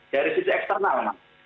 dari sisi eksternal